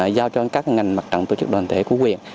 giao cho các ngành mặt trận tổ chức đoàn thể của quyền